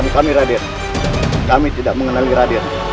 kami tidak mengenali raden